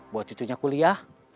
buat cucunya kuliah